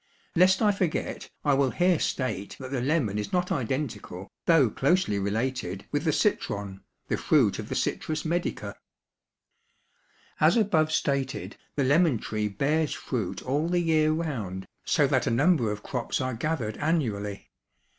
Lest I forget I will here state that the lemon is not identical, though closely related, with the Citron, the fruit of the Citrus medica. As above stated the lemon tree bears fruit all the year round so that a number of crops are gathered annually.